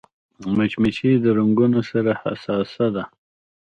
مچمچۍ د رنګونو سره حساسه ده